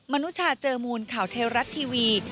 นุชาเจอมูลข่าวเทวรัฐทีวี